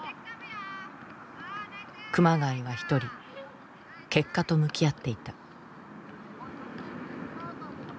熊谷は一人結果と向き合っていた。